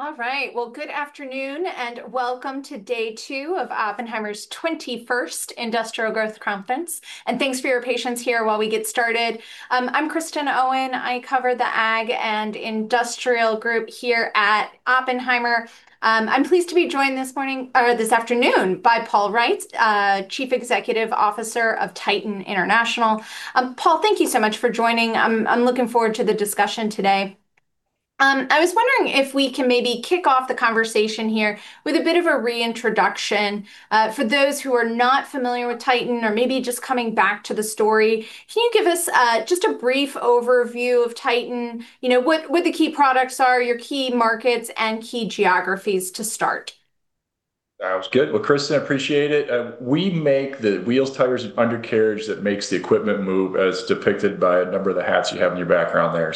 All right. Well, good afternoon and welcome to day two of Oppenheimer's 21st Industrial Growth Conference. Thanks for your patience here while we get started. I'm Kristen Owen. I cover the ag and industrial group here at Oppenheimer. I'm pleased to be joined this morning, or this afternoon, by Paul Reitz, Chief Executive Officer of Titan International. Paul, thank you so much for joining. I'm looking forward to the discussion today. I was wondering if we can maybe kick off the conversation here with a bit of a reintroduction. For those who are not familiar with Titan or maybe just coming back to the story, can you give us just a brief overview of Titan, you know, what the key products are, your key markets, and key geographies to start? Sounds good. Kristen, I appreciate it. We make the wheels, tires, and undercarriage that makes the equipment move as depicted by a number of the hats you have in your background there.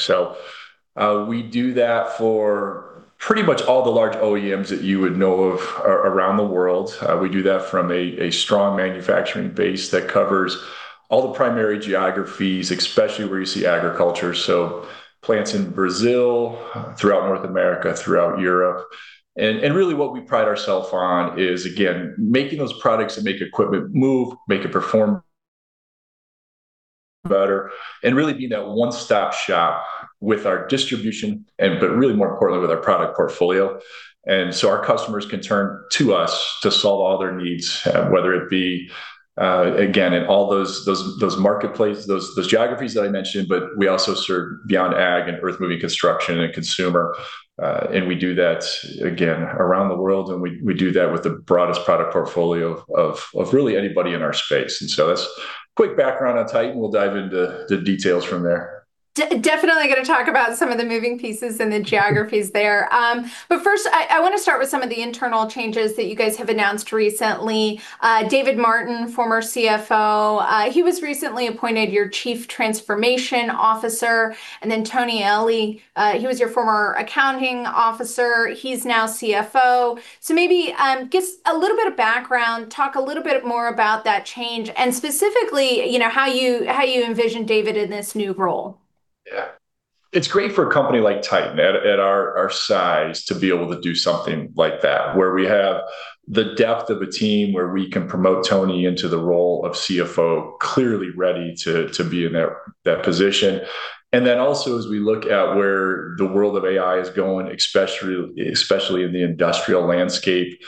We do that for pretty much all the large OEMs that you would know of around the world. We do that from a strong manufacturing base that covers all the primary geographies, especially where you see agriculture. Plants in Brazil, throughout North America, throughout Europe. Really what we pride ourself on is, again, making those products that make equipment move, make it perform better, and really being that one-stop shop with our distribution and, but really more importantly with our product portfolio. Our customers can turn to us to solve all their needs, whether it be, again, in all those marketplaces, those geographies that I mentioned, but we also serve beyond ag and earth-moving construction and consumer. We do that, again, around the world, and we do that with the broadest product portfolio of really anybody in our space. That's quick background on Titan. We'll dive into the details from there. Definitely gonna talk about some of the moving pieces and the geographies there. First I wanna start with some of the internal changes that you guys have announced recently. David Martin, former CFO, he was recently appointed your Chief Transformation Officer, and then Tony Eheli, he was your former accounting officer. He's now CFO. Maybe, give us a little bit of background, talk a little bit more about that change, and specifically, you know, how you envision David in this new role. Yeah. It's great for a company like Titan at our size to be able to do something like that, where we have the depth of a team where we can promote Tony into the role of CFO, clearly ready to be in that position. Also as we look at where the world of AI is going, especially in the industrial landscape,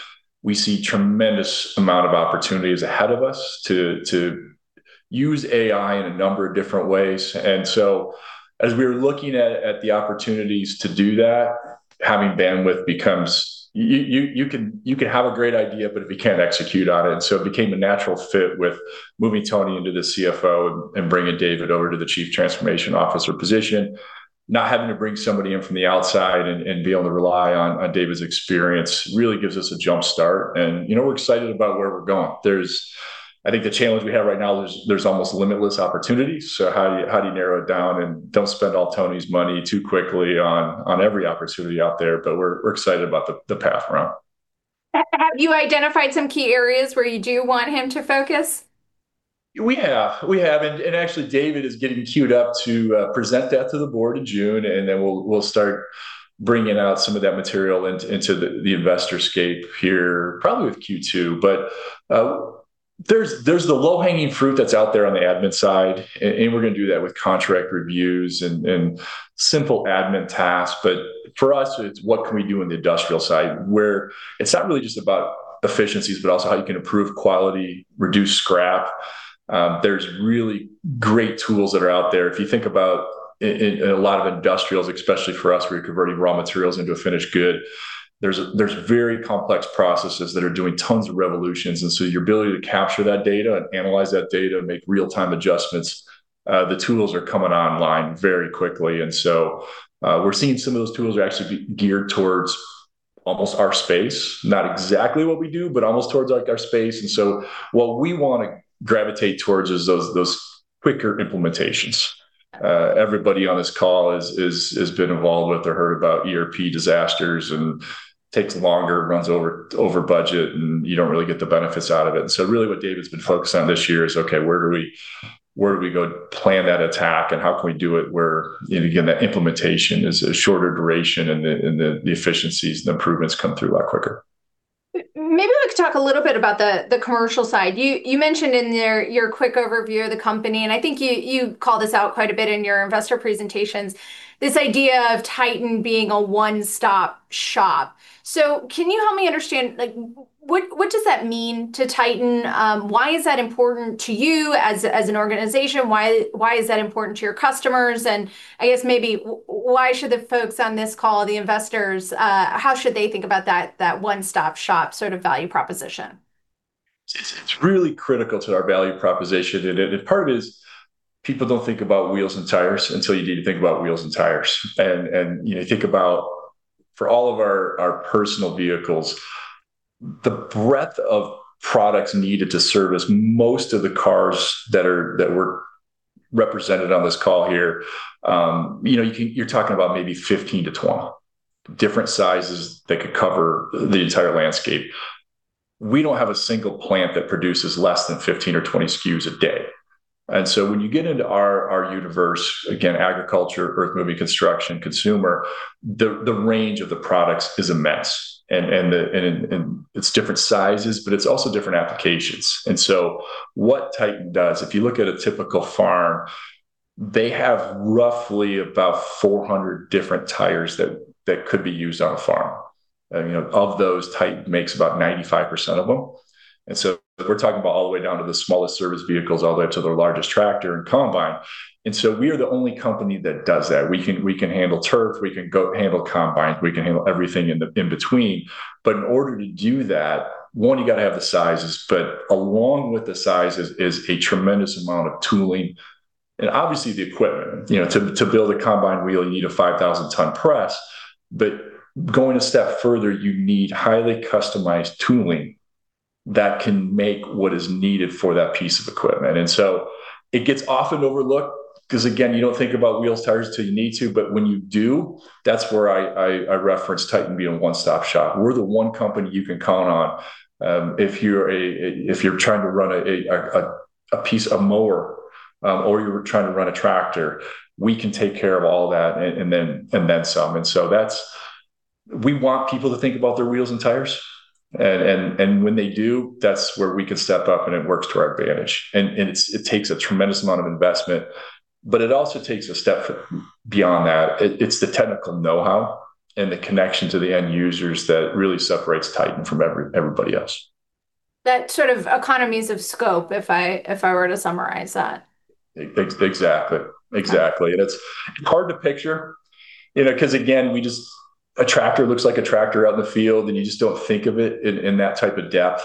we see tremendous amount of opportunities ahead of us to use AI in a number of different ways. As we are looking at the opportunities to do that, having bandwidth becomes You can have a great idea, but if you can't execute on it. It became a natural fit with moving Tony into the CFO and bringing David over to the Chief Transformation Officer position. Not having to bring somebody in from the outside and be able to rely on David's experience really gives us a jumpstart. You know, we're excited about where we're going. I think the challenge we have right now is there's almost limitless opportunities, so how do you narrow it down and don't spend all Tony's money too quickly on every opportunity out there? We're excited about the path we're on. Have you identified some key areas where you do want him to focus? We have. Actually David is getting cued up to present that to the Board in June, then we'll start bringing out some of that material into the investor scape here probably with Q2. There's the low-hanging fruit that's out there on the admin side and we're going to do that with contract reviews and simple admin tasks. For us it's what can we do on the industrial side, where it's not really just about efficiencies but also how you can improve quality, reduce scrap. There's really great tools that are out there. If you think about in a lot of industrials, especially for us, we're converting raw materials into a finished good. There's very complex processes that are doing tons of revolutions. Your ability to capture that data and analyze that data and make real-time adjustments, the tools are coming online very quickly. We're seeing some of those tools are actually geared towards almost our space. Not exactly what we do, but almost towards, like, our space. What we wanna gravitate towards is those quicker implementations. Everybody on this call has been involved with or heard about ERP disasters and takes longer, runs over budget, and you don't really get the benefits out of it. Really what David's been focused on this year is, okay, where do we go plan that attack, and how can we do it where, you know, again, the implementation is a shorter duration and the efficiencies and improvements come through a lot quicker? Maybe we could talk a little bit about the commercial side. You mentioned in your quick overview of the company, and I think you call this out quite a bit in your investor presentations, this idea of Titan being a one-stop shop. Can you help me understand, like what does that mean to Titan? Why is that important to you as an organization? Why is that important to your customers? And I guess maybe why should the folks on this call, the investors, how should they think about that one-stop shop sort of value proposition? It's really critical to our value proposition. Part of it is people don't think about wheels and tires until you need to think about wheels and tires. You know, think about for all of our personal vehicles, the breadth of products needed to service most of the cars that were represented on this call here, you know, you're talking about maybe 15 to 20 different sizes that could cover the entire landscape. We don't have a single plant that produces less than 15 or 20 SKUs a day. When you get into our universe, again, agriculture, earthmoving, construction, consumer, the range of the products is immense. It's different sizes, but it's also different applications. What Titan does, if you look at a typical farm, they have roughly about 400 different tires that could be used on a farm. You know, of those, Titan makes about 95% of them. We're talking about all the way down to the smallest service vehicles, all the way up to the largest tractor and combine. We are the only company that does that. We can handle turf, we can go handle combines, we can handle everything in between. In order to do that, one, you gotta have the sizes. Along with the sizes is a tremendous amount of tooling, and obviously the equipment. You know, to build a combine wheel, you need a 5,000 ton press. Going a step further, you need highly customized tooling that can make what is needed for that piece of equipment. It gets often overlooked 'cause, again, you don't think about wheels, tires till you need to. When you do, that's where I reference Titan being a one-stop shop. We're the one company you can count on, if you're trying to run a piece, a mower, or you're trying to run a tractor. We can take care of all that and then some. We want people to think about their wheels and tires. When they do, that's where we can step up, and it works to our advantage. It takes a tremendous amount of investment, but it also takes a step beyond that. It's the technical know-how and the connection to the end users that really separates Titan from everybody else. That sort of economies of scope, if I were to summarize that. Exactly. Exactly. It's hard to picture, you know, 'cause again, a tractor looks like a tractor out in the field, and you just don't think of it in that type of depth.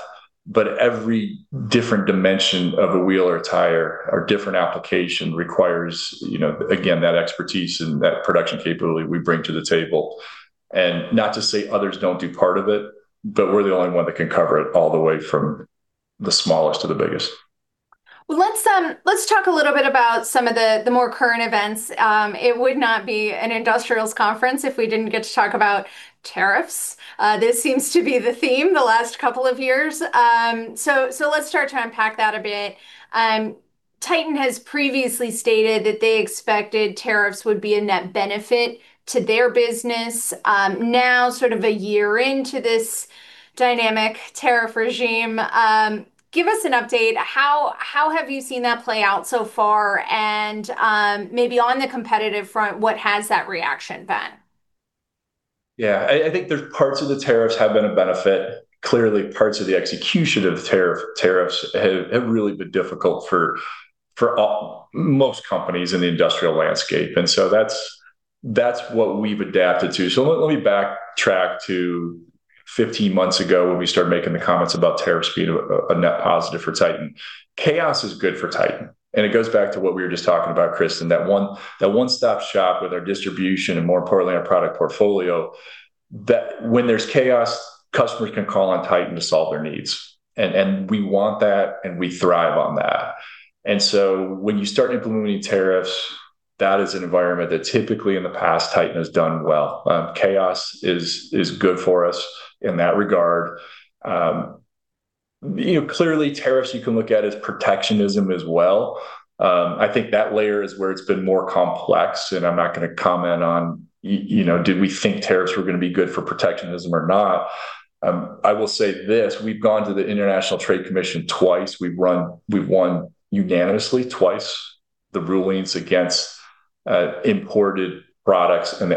Every different dimension of a wheel or a tire or different application requires, you know, again, that expertise and that production capability we bring to the table. Not to say others don't do part of it, but we're the only one that can cover it all the way from the smallest to the biggest. Well, let's talk a little bit about some of the more current events. It would not be an industrials conference if we didn't get to talk about tariffs. This seems to be the theme the last couple of years. Let's start to unpack that a bit. Titan has previously stated that they expected tariffs would be a net benefit to their business. Now sort of one year into this dynamic tariff regime, give us an update. How have you seen that play out so far? Maybe on the competitive front, what has that reaction been? Yeah. I think there's parts of the tariffs have been a benefit. Clearly, parts of the execution of the tariffs have really been difficult for most companies in the industrial landscape. That's what we've adapted to. Let me backtrack to 15 months ago when we started making the comments about tariffs being a net positive for Titan. Chaos is good for Titan, and it goes back to what we were just talking about, Kristen, that one-stop shop with our distribution, and more importantly, our product portfolio, that when there's chaos, customers can call on Titan to solve their needs. We want that, and we thrive on that. When you start implementing tariffs, that is an environment that typically in the past Titan has done well. Chaos is good for us in that regard. You know, clearly tariffs you can look at is protectionism as well. I think that layer is where it's been more complex, and I'm not gonna comment on you know, did we think tariffs were gonna be good for protectionism or not. I will say this, we've gone to the United States International Trade Commission twice. We've won unanimously twice the rulings against imported products and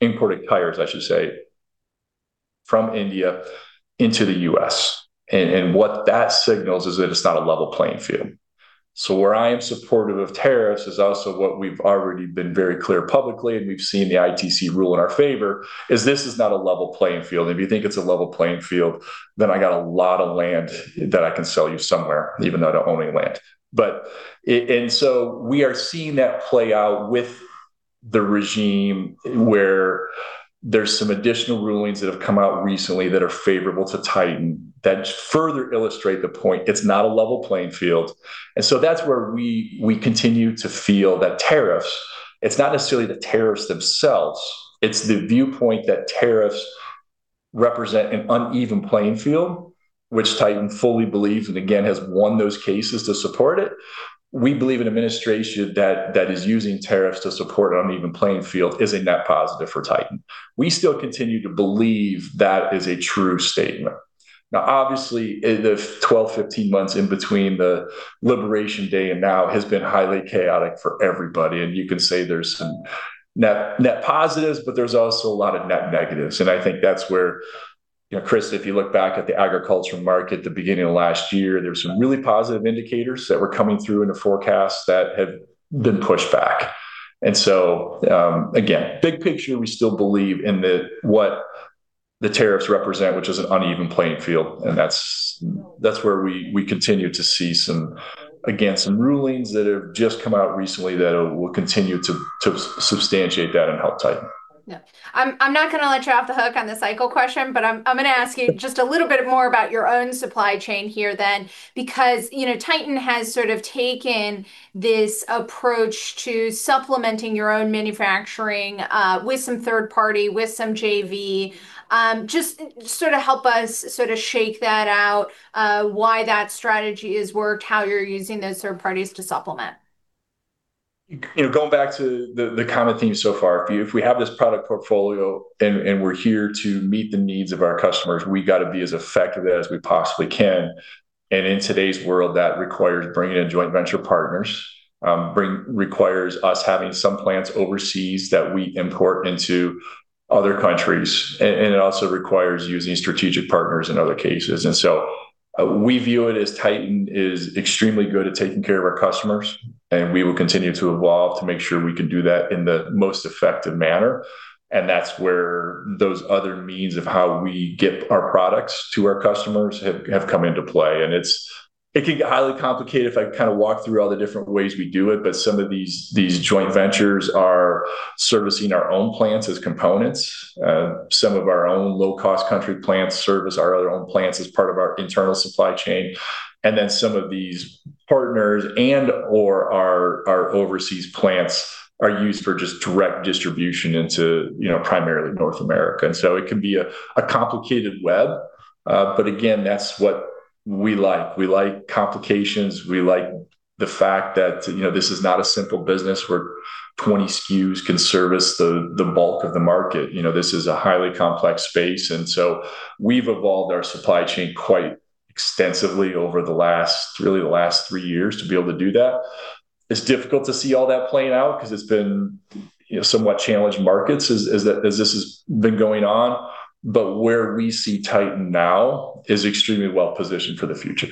imported tires, I should say, from India into the U.S. What that signals is that it's not a level playing field. Where I am supportive of tariffs is also what we've already been very clear publicly, and we've seen the ITC rule in our favor, is this is not a level playing field. If you think it's a level playing field, then I got a lot of land that I can sell you somewhere, even though I don't own any land. We are seeing that play out with the regime where there's some additional rulings that have come out recently that are favorable to Titan, that further illustrate the point. It's not a level playing field. That's where we continue to feel that tariffs, it's not necessarily the tariffs themselves, it's the viewpoint that tariffs represent an uneven playing field, which Titan fully believes, and again, has won those cases to support it. We believe an administration that is using tariffs to support an uneven playing field is a net positive for Titan. We still continue to believe that is a true statement. Obviously, in the 12, 15 months in between the Liberation Day and now has been highly chaotic for everybody, and you can say there's some net positives, but there's also a lot of net negatives. I think that's where, you know, Kristen, if you look back at the agricultural market at the beginning of last year, there were some really positive indicators that were coming through in the forecast that have been pushed back. Again, big picture, we still believe in what the tariffs represent, which is an uneven playing field, and that's where we continue to see some, again, some rulings that have just come out recently that will continue to substantiate that and help Titan. Yeah. I'm not gonna let you off the hook on the cycle question, but I'm gonna ask you just a little bit more about your own supply chain here then. You know, Titan has sort of taken this approach to supplementing your own manufacturing with some third party, with some JV. Just sort of help us sort of shake that out, why that strategy has worked, how you're using those third parties to supplement. You know, going back to the common theme so far. If we have this product portfolio and we're here to meet the needs of our customers, we gotta be as effective as we possibly can. In today's world, that requires bringing in joint venture partners, requires us having some plants overseas that we import into other countries. It also requires using strategic partners in other cases. We view it as Titan is extremely good at taking care of our customers, and we will continue to evolve to make sure we can do that in the most effective manner, and that's where those other means of how we get our products to our customers have come into play. It can get highly complicated if I kind of walk through all the different ways we do it, but some of these joint ventures are servicing our own plants as components. Some of our own low-cost country plants service our other own plants as part of our internal supply chain. Some of these partners and/or our overseas plants are used for just direct distribution into, you know, primarily North America. It can be a complicated web, but again, that's what we like. We like complications. We like the fact that, you know, this is not a simple business where 20 SKUs can service the bulk of the market. You know, this is a highly complex space. We've evolved our supply chain quite extensively over the last, really the last three years to be able to do that. It's difficult to see all that playing out 'cause it's been, you know, somewhat challenged markets as this has been going on. Where we see Titan now is extremely well-positioned for the future.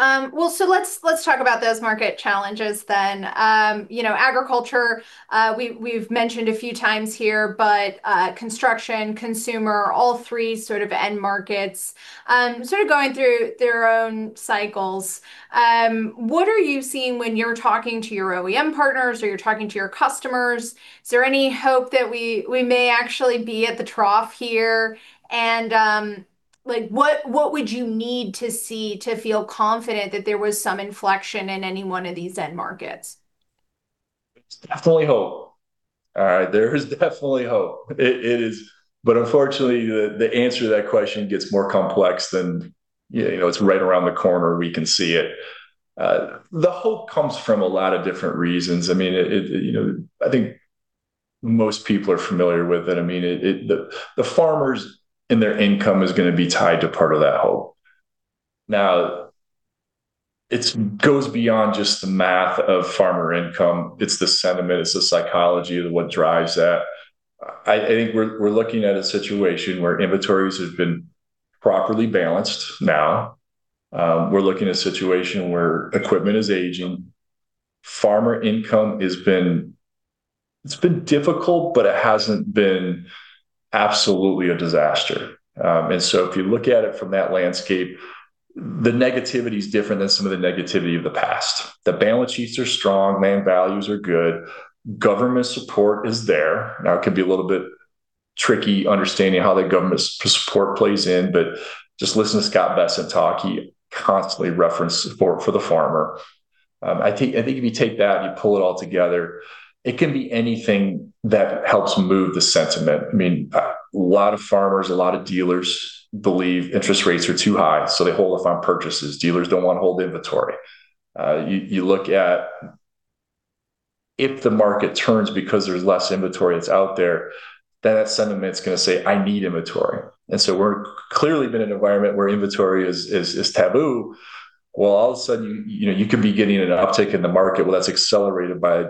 Let's talk about those market challenges then. You know agriculture, we've mentioned a few times here, but construction, consumer, all three sort of end markets, sort of going through their own cycles. What are you seeing when you're talking to your OEM partners or you're talking to your customers? Is there any hope that we may actually be at the trough here? Like what would you need to see to feel confident that there was some inflection in any one of these end markets? There's definitely hope. All right. There is definitely hope. Unfortunately, the answer to that question gets more complex than, you know, it's right around the corner, we can see it. The hope comes from a lot of different reasons. I mean, it, you know, I think most people are familiar with it. I mean, the farmers and their income is gonna be tied to part of that hope. Now, it goes beyond just the math of farmer income. It's the sentiment, it's the psychology of what drives that. I think we're looking at a situation where inventories have been properly balanced now. We're looking at a situation where equipment is aging. Farmer income has been difficult, it hasn't been absolutely a disaster. If you look at it from that landscape, the negativity is different than some of the negativity of the past. The balance sheets are strong. Land values are good. Government support is there. Now, it could be a little bit tricky understanding how the government support plays in, but just listen to Scott Bessent talk. He constantly referenced support for the farmer. I think if you take that and you pull it all together, it can be anything that helps move the sentiment. I mean, a lot of farmers, a lot of dealers believe interest rates are too high, so they hold off on purchases. Dealers don't wanna hold inventory. You look at if the market turns because there's less inventory that's out there, then that sentiment's gonna say, "I need inventory." We're clearly been an environment where inventory is taboo. All of a sudden, you know, you could be getting an uptick in the market. That's accelerated by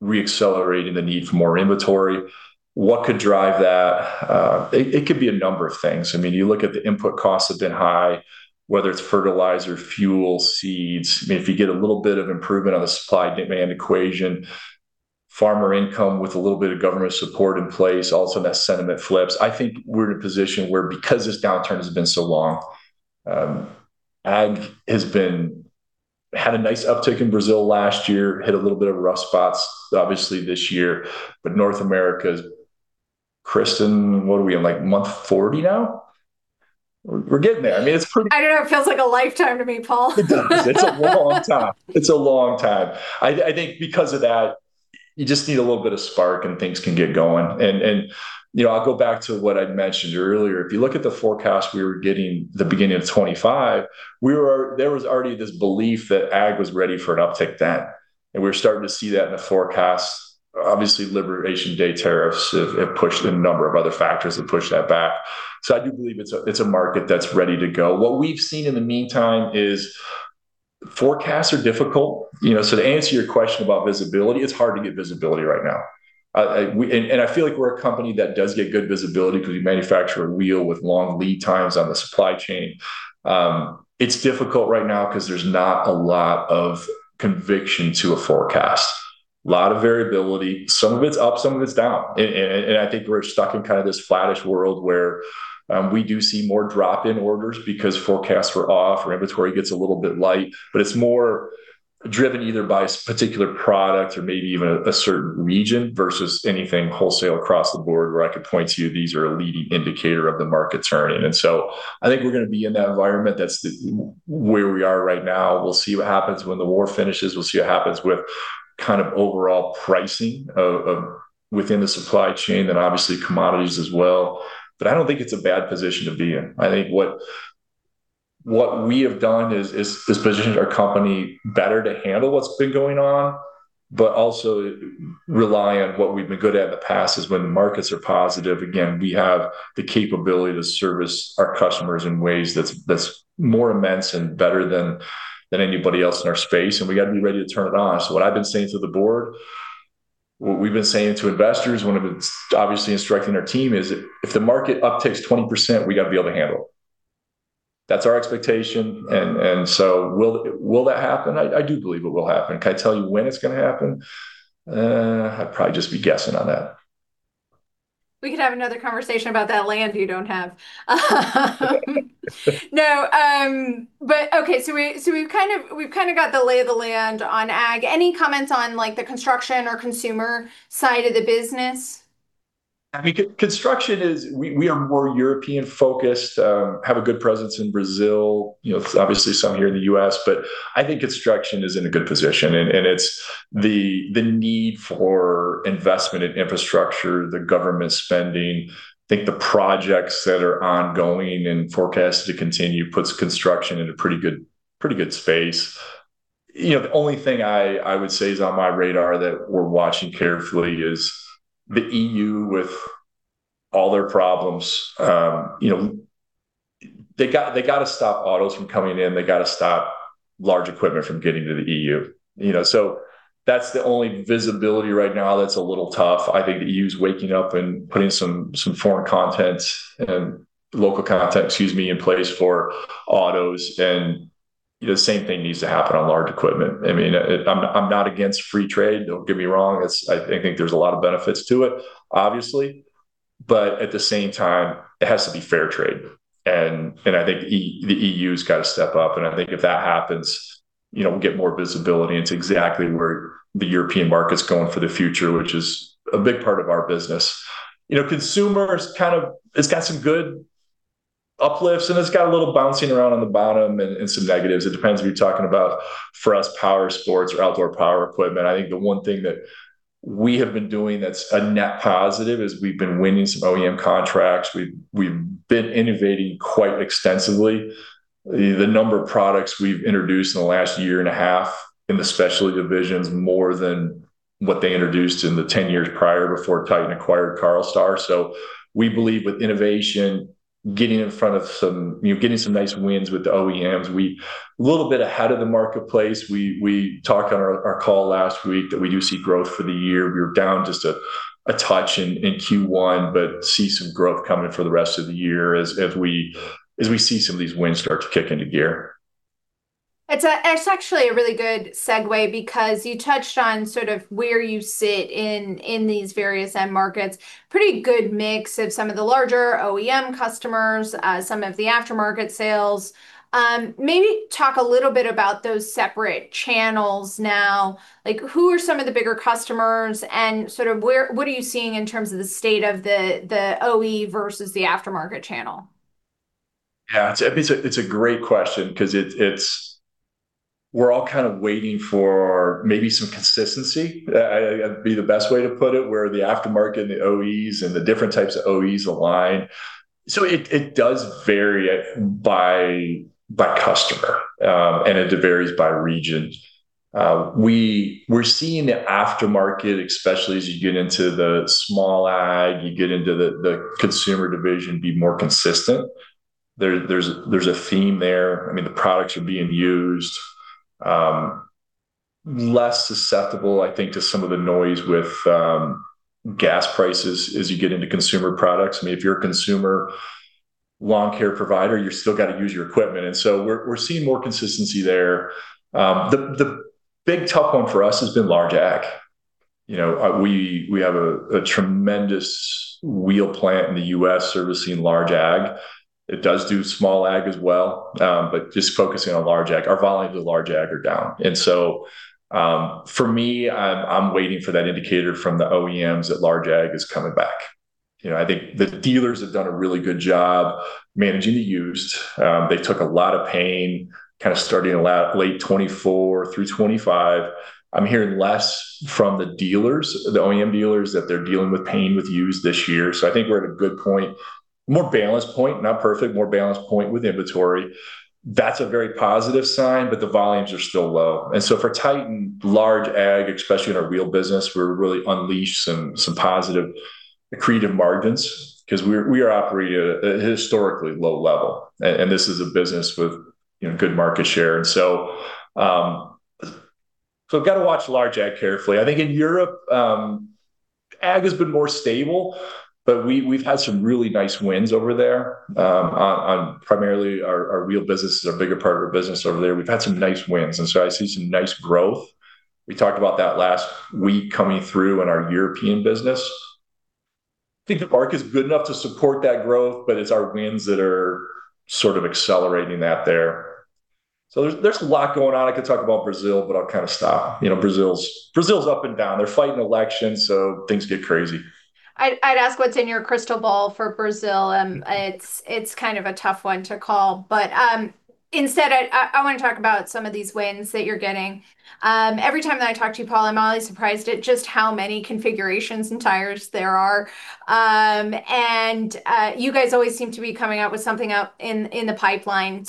re-accelerating the need for more inventory. What could drive that? It could be a number of things. You look at the input costs have been high, whether it's fertilizer, fuel, seeds. If you get a little bit of improvement on the supply and demand equation, farmer income with a little bit of government support in place, all of a sudden that sentiment flips. I think we're in a position where because this downturn has been so long, ag had a nice uptick in Brazil last year, hit a little bit of rough spots obviously this year. North America's, Kristen, what are we in like month 40 now? We're getting there. I don't know. It feels like a lifetime to me, Paul. It does. It's a long time. It's a long time. I think because of that, you just need a little bit of spark and things can get going. You know, I'll go back to what I'd mentioned earlier. If you look at the forecast we were getting the beginning of 2025, there was already this belief that ag was ready for an uptick then, and we're starting to see that in the forecast. Obviously, Liberation Day tariffs have pushed a number of other factors have pushed that back. I do believe it's a market that's ready to go. What we've seen in the meantime is forecasts are difficult. You know, to answer your question about visibility, it's hard to get visibility right now. I feel like we're a company that does get good visibility because we manufacture a wheel with long lead times on the supply chain. It's difficult right now 'cause there's not a lot of conviction to a forecast. Lot of variability. Some of it's up, some of it's down. I think we're stuck in kind of this flattish world where we do see more drop-in orders because forecasts were off or inventory gets a little bit light. It's more driven either by a particular product or maybe even a certain region versus anything wholesale across the board where I could point to you, these are a leading indicator of the market turning. I think we're gonna be in that environment. That's where we are right now. We'll see what happens when the war finishes. We'll see what happens with kind of overall pricing within the supply chain and obviously commodities as well. I don't think it's a bad position to be in. I think what we have done is positioned our company better to handle what's been going on, but also rely on what we've been good at in the past, is when the markets are positive, again, we have the capability to service our customers in ways that's more immense and better than anybody else in our space, and we gotta be ready to turn it on. What I've been saying to the board, what we've been saying to investors, obviously instructing our team is if the market uptakes 20%, we gotta be able to handle it. That's our expectation. Will that happen? I do believe it will happen. Can I tell you when it's gonna happen? I'd probably just be guessing on that. We could have another conversation about that land you don't have. No, okay. We've kind of got the lay of the land on ag. Any comments on, like, the construction or consumer side of the business? I mean, construction is we are more European-focused. Have a good presence in Brazil. You know, obviously some here in the U.S. I think construction is in a good position and it's the need for investment in infrastructure, the government spending. I think the projects that are ongoing and forecast to continue puts construction in a pretty good space. You know, the only thing I would say is on my radar that we're watching carefully is the EU with all their problems. You know, they gotta stop autos from coming in. They gotta stop large equipment from getting to the EU. You know, that's the only visibility right now that's a little tough. I think the EU's waking up and putting some foreign content, local content, excuse me, in place for autos. The same thing needs to happen on large equipment. I mean, I'm not against free trade. Don't get me wrong. I think there's a lot of benefits to it, obviously. At the same time, it has to be fair trade. I think the EU's gotta step up. I think if that happens, you know, we'll get more visibility into exactly where the European market's going for the future, which is a big part of our business. You know, consumer's kind of It's got some good uplifts, and it's got a little bouncing around on the bottom and some negatives. It depends if you're talking about, for us, power sports or outdoor power equipment. I think the one thing that we have been doing that's a net positive is we've been winning some OEM contracts. We've been innovating quite extensively. The number of products we've introduced in the last year and a half in the specialty division's more than what they introduced in the 10 years prior before Titan acquired Carlstar. We believe with innovation, getting in front of some, you know, getting some nice wins with the OEMs, we're a little bit ahead of the marketplace. We talked on our call last week that we do see growth for the year. We were down just a touch in Q1 but see some growth coming for the rest of the year as we see some of these wins start to kick into gear. It's actually a really good segue because you touched on sort of where you sit in these various end markets. Pretty good mix of some of the larger OEM customers, some of the aftermarket sales. Maybe talk a little bit about those separate channels now. Like, who are some of the bigger customers and sort of what are you seeing in terms of the state of the OE versus the aftermarket channel? It's a great question because we're all kind of waiting for maybe some consistency. That'd be the best way to put it, where the aftermarket and the OEs and the different types of OEs align. It does vary by customer. It varies by region. We're seeing the aftermarket, especially as you get into the small ag, you get into the consumer division, be more consistent. There's a theme there. I mean, the products are being used. Less susceptible, I think, to some of the noise with gas prices as you get into consumer products. I mean, if you're a consumer lawn care provider, you still gotta use your equipment. We're seeing more consistency there. The big tough one for us has been large ag. You know, we have a tremendous wheel plant in the U.S. servicing large ag. It does do small ag as well, but just focusing on large ag. Our volumes of large ag are down. For me, I'm waiting for that indicator from the OEMs that large ag is coming back. You know, I think the dealers have done a really good job managing the used. They took a lot of pain kind of starting a lot late 2024 through 2025. I'm hearing less from the dealers, the OEM dealers, that they're dealing with pain with used this year. I think we're at a good point. A more balanced point, not perfect, more balanced point with inventory. That's a very positive sign, but the volumes are still low. For Titan, large ag, especially in our wheel business, will really unleash some positive accretive margins because we are operating at a historically low level. This is a business with, you know, good market share. We've gotta watch large ag carefully. I think in Europe, ag has been more stable, but we've had some really nice wins over there on primarily our wheel business is a bigger part of our business over there. We've had some nice wins. I see some nice growth. We talked about that last week coming through in our European business. I think the market's good enough to support that growth, but it's our wins that are sort of accelerating that there. There's a lot going on. I could talk about Brazil, but I'll kinda stop. You know, Brazil's up and down. They're fighting elections. Things get crazy. I'd ask what's in your crystal ball for Brazil. It's kind of a tough one to call. Instead, I wanna talk about some of these wins that you're getting. Every time that I talk to you, Paul, I'm always surprised at just how many configurations and tires there are. You guys always seem to be coming up with something up in the pipeline.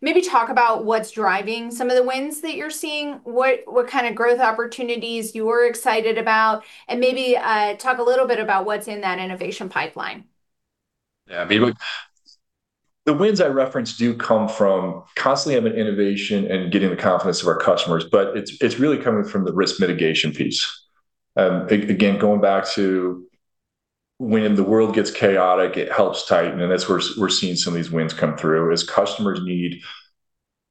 Maybe talk about what's driving some of the wins that you're seeing, what kind of growth opportunities you're excited about, and maybe talk a little bit about what's in that innovation pipeline. I mean, look, the wins I reference do come from constantly having innovation and getting the confidence of our customers, but it's really coming from the risk mitigation piece. Again, going back to when the world gets chaotic, it helps Titan, that's where we're seeing some of these wins come through, is customers need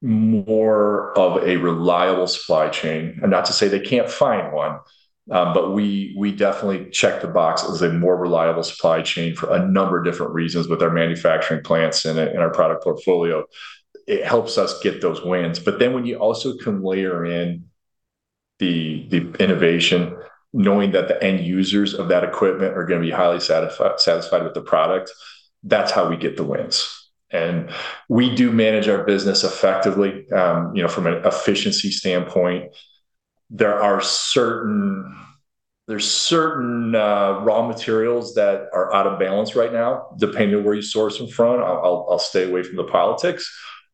more of a reliable supply chain. Not to say they can't find one, we definitely check the box as a more reliable supply chain for a number of different reasons with our manufacturing plants and our product portfolio. It helps us get those wins. When you also can layer in the innovation, knowing that the end users of that equipment are gonna be highly satisfied with the product, that's how we get the wins. We do manage our business effectively, you know, from an efficiency standpoint. There's certain raw materials that are out of balance right now, depending on where you source them from. I'll stay away from the politics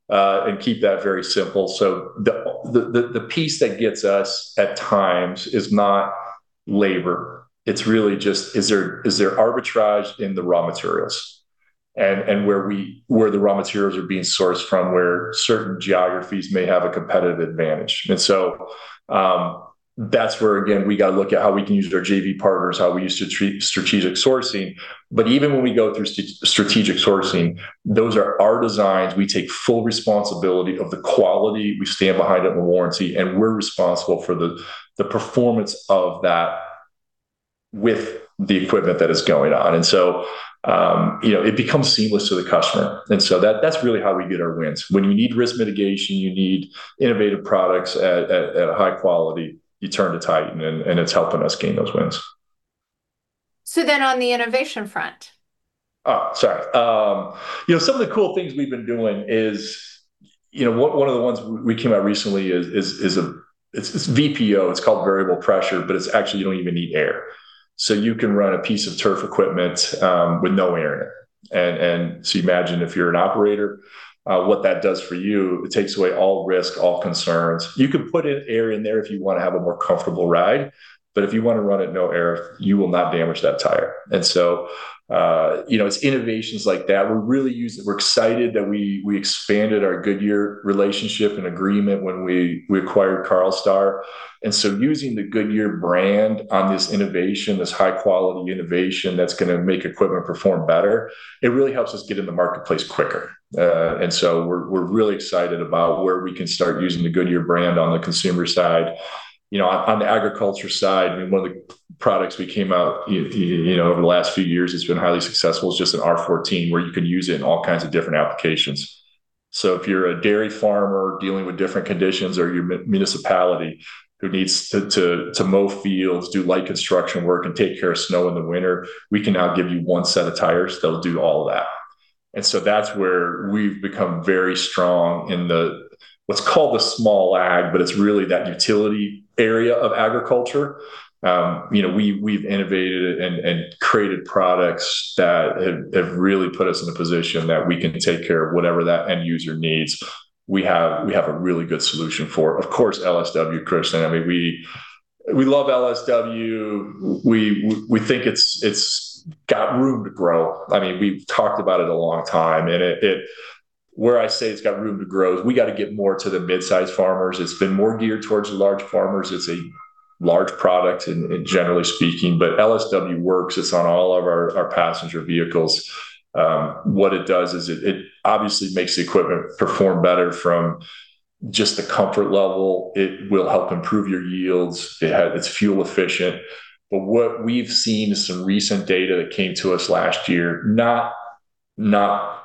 and keep that very simple. The piece that gets us at times is not labor, it's really just is there arbitrage in the raw materials and where the raw materials are being sourced from, where certain geographies may have a competitive advantage. That's where, again, we gotta look at how we can use our JV partners, how we use strategic sourcing. Even when we go through strategic sourcing, those are our designs. We take full responsibility of the quality. We stand behind it in the warranty, and we're responsible for the performance of that with the equipment that is going on. You know, it becomes seamless to the customer. That, that's really how we get our wins. When you need risk mitigation, you need innovative products at a high quality, you turn to Titan and it's helping us gain those wins. On the innovation front. Oh, sorry. You know, some of the cool things we've been doing is, you know, one of the ones we came out recently is VPO. It's called variable pressure, but it's actually you don't even need air. You can run a piece of turf equipment with no air in it. You imagine if you're an operator, what that does for you, it takes away all risk, all concerns. You can put in air in there if you wanna have a more comfortable ride, but if you wanna run it no air, you will not damage that tire. You know, it's innovations like that. We're excited that we expanded our Goodyear relationship and agreement when we acquired Carlstar. Using the Goodyear brand on this innovation, this high quality innovation that's gonna make equipment perform better, it really helps us get in the marketplace quicker. We're really excited about where we can start using the Goodyear brand on the consumer side. You know, on the agriculture side, I mean, one of the products we came out, you know, over the last few years that's been highly successful is just an R14, where you can use it in all kinds of different applications. If you're a dairy farmer dealing with different conditions or you're municipality who needs to mow fields, do light construction work, and take care of snow in the winter, we can now give you one set of tires that'll do all that. That's where we've become very strong in the, what's called the small ag, but it's really that utility area of agriculture. You know, we've innovated and created products that have really put us in a position that we can take care of whatever that end user needs. We have a really good solution for, of course, LSW, Kristen. I mean, we love LSW. We think it's got room to grow. I mean, we've talked about it a long time, Where I say it's got room to grow is we gotta get more to the midsize farmers. It's been more geared towards the large farmers. It's a large product in generally speaking. LSW works. It's on all of our passenger vehicles. What it does is it obviously makes the equipment perform better from just the comfort level. It will help improve your yields. It's fuel efficient. What we've seen is some recent data that came to us last year, not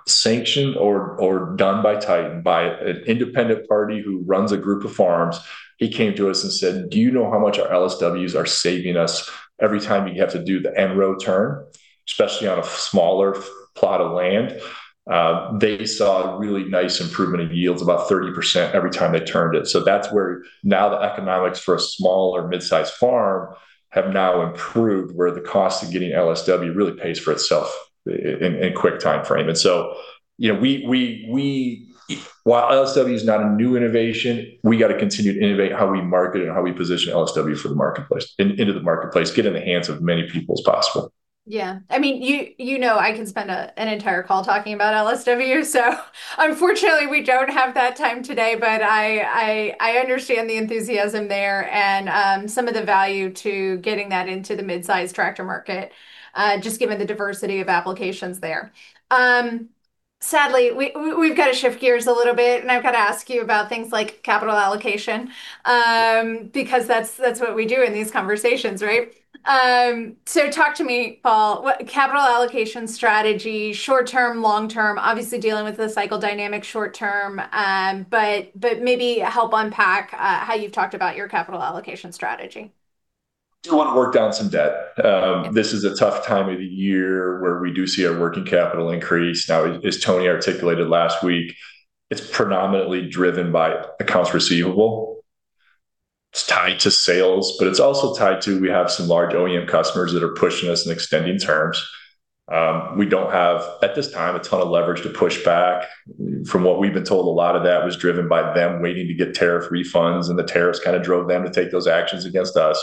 sanctioned or done by Titan, by an independent party who runs a group of farms. He came to us and said, "Do you know how much our LSWs are saving us every time you have to do the end row turn, especially on a smaller plot of land?" They saw a really nice improvement in yields, about 30% every time they turned it. That's where now the economics for a small or mid-sized farm have now improved, where the cost of getting LSW really pays for itself in quick timeframe. You know, while LSW is not a new innovation, we gotta continue to innovate how we market and how we position LSW for the marketplace, into the marketplace, get it in the hands of many people as possible. Yeah. I mean, you know I can spend an entire call talking about LSW, so unfortunately we don't have that time today. I understand the enthusiasm there and some of the value to getting that into the midsize tractor market, just given the diversity of applications there. Sadly, we've gotta shift gears a little bit, and I've gotta ask you about things like capital allocation, because that's what we do in these conversations, right? Talk to me, Paul. What capital allocation strategy, short-term, long-term, obviously dealing with the cycle dynamic short term. Maybe help unpack how you've talked about your capital allocation strategy. Do wanna work down some debt. This is a tough time of the year where we do see our working capital increase. Now, as Tony articulated last week, it's predominantly driven by accounts receivable. It's tied to sales, but it's also tied to we have some large OEM customers that are pushing us and extending terms. We don't have, at this time, a ton of leverage to push back. From what we've been told, a lot of that was driven by them waiting to get tariff refunds, and the tariffs kind of drove them to take those actions against us.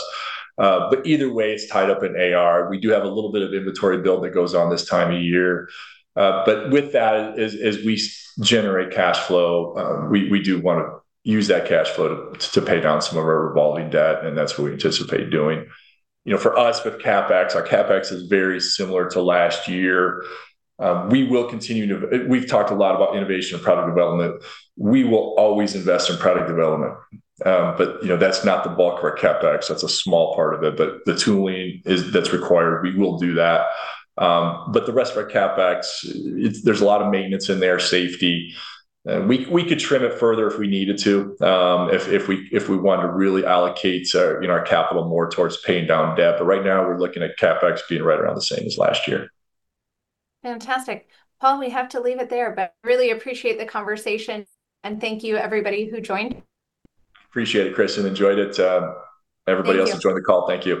Either way, it's tied up in AR. We do have a little bit of inventory build that goes on this time of year. With that, as we generate cash flow, we do wanna use that cash flow to pay down some of our revolving debt, and that's what we anticipate doing. You know, for us with CapEx, our CapEx is very similar to last year. We've talked a lot about innovation and product development. We will always invest in product development. You know, that's not the bulk of our CapEx. That's a small part of it. The tooling is, that's required, we will do that. The rest of our CapEx, there's a lot of maintenance in there, safety. We could trim it further if we needed to, if we wanted to really allocate our, you know, our capital more towards paying down debt. Right now we're looking at CapEx being right around the same as last year. Fantastic. Paul, we have to leave it there, but really appreciate the conversation. Thank you everybody who joined. Appreciate it, Kristen. Enjoyed it. Everyone who joined the call, thank you. Thank you.